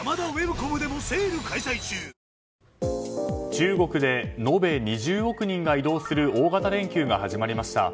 中国で延べ２５億人が移動する大型連休が始まりました。